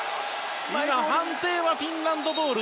判定はフィンランドボール。